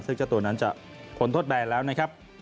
ซึ่งเจ้าตัวนั้นจะพ้นโทษแบนแล้วนะครับ